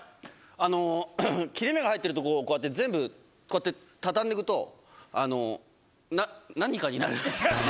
切れ目が入ってるところ、こうやって全部こうやって畳んでいくと、何かになる。